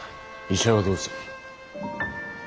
医者はどうする。